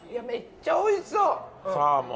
めっちゃおいしそう！